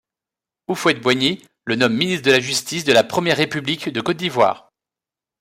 Houphouët-Boigny le nomme ministre de la Justice de la Première République de Côte d'Ivoire.